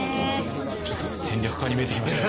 ちょっと戦略家に見えてきましたよ。